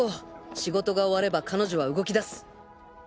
仕事が終われば彼女は動き出す。